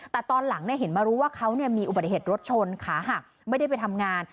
แต่ตอนหลังเห็นมารู้ว่าเขามีอุบัติเหตุรถชนขาหักไม่ได้ไปทำงาน